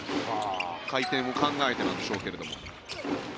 回転を考えてなんでしょうけども。